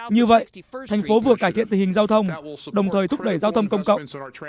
như vậy thành phố vừa cải thiện tình hình giao thông đồng thời thúc đẩy giao thông công cộng